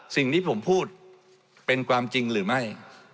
สิ่งที่ผมพูดเป็นความจริงหรือไม่